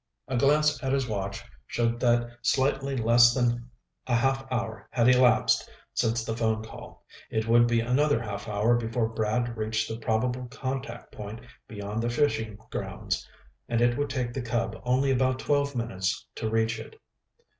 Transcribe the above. A glance at his watch showed that slightly less than a half hour had elapsed since the phone call. It would be another half hour before Brad reached the probable contact point beyond the fishing grounds, and it would take the Cub only about twelve minutes to reach it.